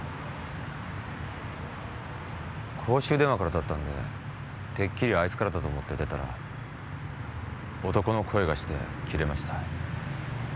公衆電話からだったんでてっきりあいつからだと思って出たら男の声がして切れました。